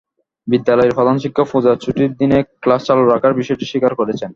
বিদ্যালয়ের প্রধানশিক্ষক পূজার ছুটির দিনে ক্লাস চালু রাখার বিষয়টি স্বীকার করেছেন।